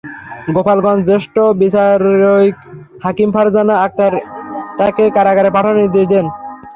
গোপালগঞ্জ জ্যেষ্ঠ বিচারিক হাকিম ফারজানা আক্তার তাঁকে কারাগারে পাঠানোর নির্দেশ দেন।